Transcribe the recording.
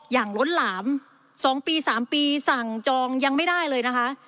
ล้นหลาม๒ปี๓ปีสั่งจองยังไม่ได้เลยนะคะ